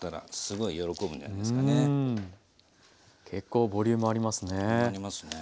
結構ボリュームありますね。